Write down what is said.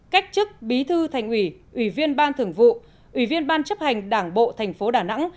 cách chức bí thư thành ủy ủy viên ban thường vụ ủy viên ban chấp hành đảng bộ thành phố đà nẵng